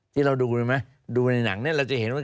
ที่เราดูไหมดูในหนังนี้